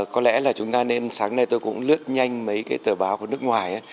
có lẽ là chúng ta nên sáng nay tôi cũng lướt nhanh mấy cái tờ báo của nước ngoài